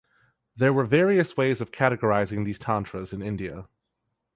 There were various ways of categorizing these tantras in India.